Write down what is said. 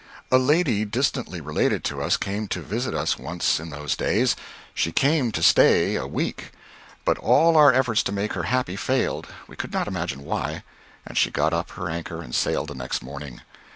A lady distantly related to us came to visit us once in those days. She came to stay a week, but all our efforts to make her happy failed, we could not imagine why, and she got up her anchor and sailed the next morning.